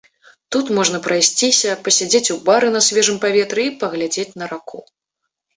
Тут можна прайсціся, пасядзець у бары на свежым паветры і паглядзець на раку.